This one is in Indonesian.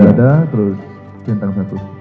tidak ada terus centang satu